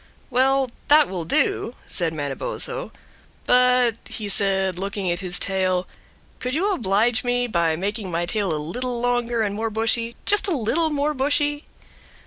"Well, that will do," said Manabozho. "But," he said, looking at his tail, "could you oblige me by making my tail a little longer and more bushy, just a little more bushy?"